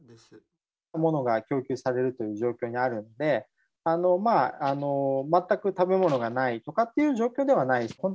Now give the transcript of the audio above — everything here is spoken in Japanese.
物が供給されるという状況にあるので、全く食べ物がないとかっていう状況ではないです。